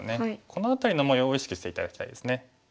この辺りの模様を意識して頂きたいですね。